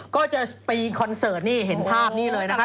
ก็จะไปคอนเสิร์ตนี่เห็นภาพนี้เลยนะคะ